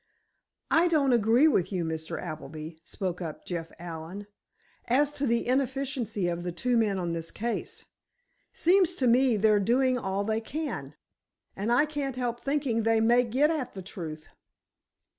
"I don't agree with you, Mr. Appleby," spoke up Jeff Allen, "as to the inefficiency of the two men on this case. Seems to me they're doing all they can, and I can't help thinking they may get at the truth."